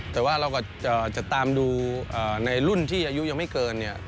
แต่ว่าเราก็จะตามดูในรุ่นที่อายุยังไม่เกินเนี่ย